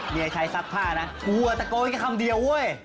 เมียชายซักผ้าน่ะกลัวตะโกนแค่คำเดียวเว้ย